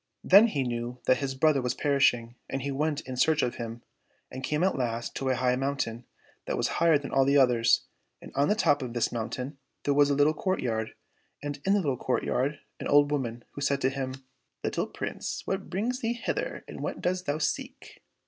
Then he knew that his brother was perishing, and he went in search of him, and came at last to the high mountain that was higher than all others, and on the top of this mountain there was a little courtyard, and in the court yard an old woman, who said to him, " Little Prince, what brings thee hither, and what dost thou seek